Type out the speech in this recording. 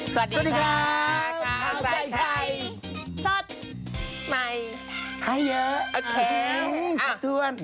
สวัสดีครับค่ะสวัสดีใครสัตว์ใหม่ค่ะ